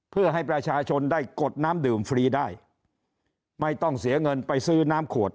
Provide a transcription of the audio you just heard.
เพื่อให้ประชาชนได้กดน้ำดื่มฟรีได้ไม่ต้องเสียเงินไปซื้อน้ำขวด